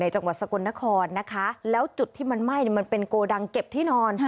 จังหวัดสกลนครนะคะแล้วจุดที่มันไหม้มันเป็นโกดังเก็บที่นอน